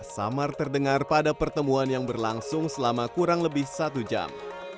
samar terdengar pada pertemuan yang berlangsung selama kurang lebih satu jam